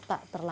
itu banjiri ya